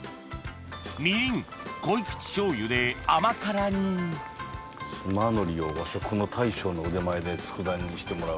みりん濃口醤油で甘辛に須磨海苔を和食の大将の腕前で佃煮にしてもらう。